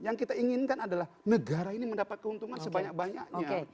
yang kita inginkan adalah negara ini mendapat keuntungan sebanyak banyaknya